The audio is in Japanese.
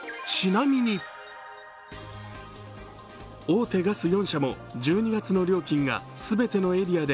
大手ガス４社も１２月の料金が全てのエリアで